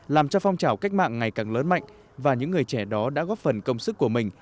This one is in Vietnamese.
làm cho phong trào cách mạng ngày càng lớn mạnh và những người trẻ đó đã góp phần công sức của mình